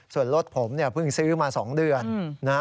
ส่วนรถผมเพิ่งซื้อมา๒เดือน